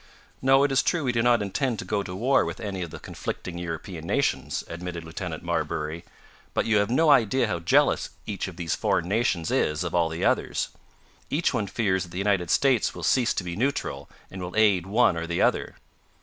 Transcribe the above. "No, it is true we do not intend to go to war with any of the conflicting European nations," admitted Lieutenant Marbury, "but you have no idea how jealous each of those foreign nations is of all the others. Each one fears that the United States will cease to be neutral, and will aid one or the other."